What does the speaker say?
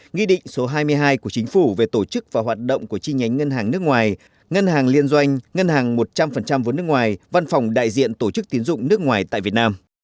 nghị định số hai mươi hai của chính phủ về tổ chức và hoạt động của chi nhánh ngân hàng nước ngoài ngân hàng liên doanh ngân hàng một trăm linh vốn nước ngoài văn phòng đại diện tổ chức tiến dụng nước ngoài tại việt nam